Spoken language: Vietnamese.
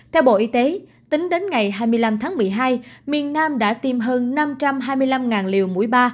theo bộ y tế tính đến ngày hai mươi năm tháng một mươi hai miền nam đã tiêm hơn năm trăm hai mươi năm liều mũi ba